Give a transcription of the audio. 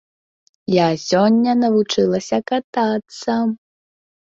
Я сёння навучылася катацца.